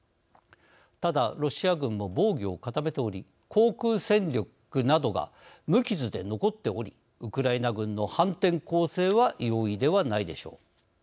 ただロシア軍も防御を固めており航空戦力などが無傷で残っておりウクライナ軍の反転攻勢は容易ではないでしょう。